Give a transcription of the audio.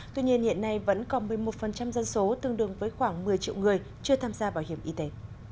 tuy nhiên hiện nay vẫn còn một mươi một dân số tương đương với khoảng một mươi triệu người chưa tham gia bảo hiểm y tế